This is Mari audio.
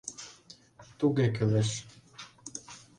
Туге кӱлеш.